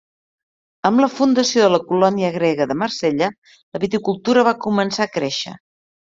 Amb la fundació de la colònia grega de Marsella, la viticultura va començar a créixer.